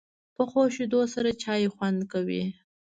پخو شیدو سره چای خوند کوي